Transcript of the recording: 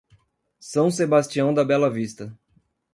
São Sebastião da Bela Vista